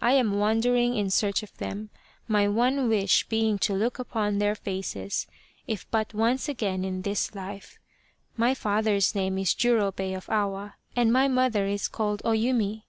I am wandering in search of them : my one wish being to look upon their faces if but once again in this life. My father's name is Jurobei of Awa and my mother is called O Yumi."